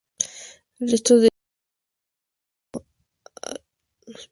El resto de especies utilizan como insecto vector las garrapatas.